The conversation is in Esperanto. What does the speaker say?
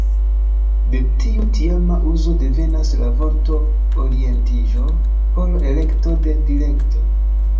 De tiu tiama uzo devenas la vorto ""orientiĝo"" por ""elekto de direkto"".